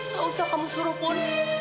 gak usah kamu suruh pun